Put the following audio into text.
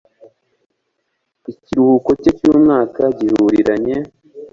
ikiruhuko cye cy umwaka gihuriranye